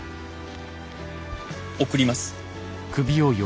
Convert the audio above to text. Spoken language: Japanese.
送ります？